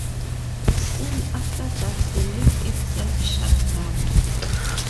Soon after that the league itself shut down.